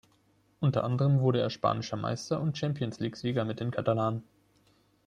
Unter anderem wurde er spanischer Meister und Champions League-Sieger mit den Katalanen.